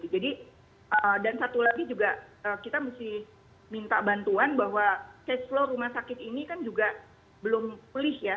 dan satu lagi juga kita mesti minta bantuan bahwa cash flow rumah sakit ini kan juga belum pulih ya